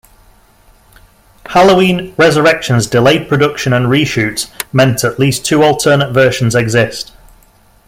Halloween: Resurrection's delayed production and reshoots meant at least two alternate versions exist.